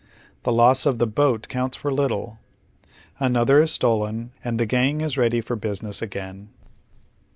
The loss of the boat counts for little. Another is stolon, and the gang is ready for busi ness again.